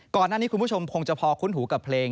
ก่อนหน้านี้คุณผู้ชมคงจะพอคุ้นหูกับเพลง